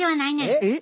えっ？